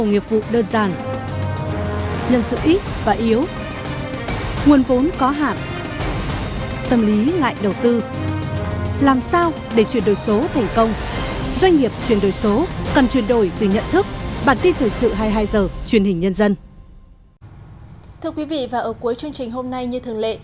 thưa quý vị và ở cuối chương trình hôm nay như thường lệ